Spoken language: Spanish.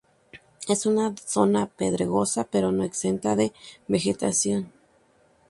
Es una zona pedregosa pero no exenta de vegetación.